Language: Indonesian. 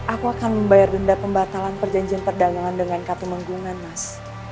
aku akan membayar denda pembatalan perjanjian perdagangan dengan kartu menggungan mas